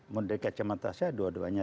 md kecamatasya dua duanya